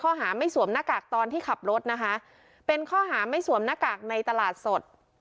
ข้อหาไม่สวมหน้ากากตอนที่ขับรถนะคะเป็นข้อหาไม่สวมหน้ากากในตลาดสด